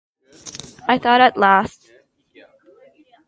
I thought, At last!